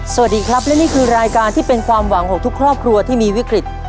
สวัสดีครับและนี่คือรายการที่เป็นความหวังของทุกครอบครัวที่มีวิกฤต